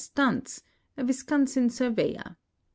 Stuntz, a Wisconsin sur veyor.